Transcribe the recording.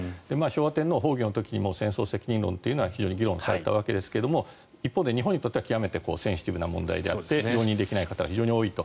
昭和天皇崩御の時にも戦争責任論は議論されたわけですが一方で日本にとっては非常にセンシティブな問題で容認できない人が非常に多いと。